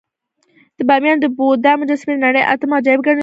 د بامیانو د بودا مجسمې د نړۍ اتم عجایب ګڼل کېدې